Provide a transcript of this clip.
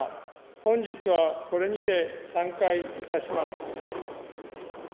本日はこれにて散会いたします。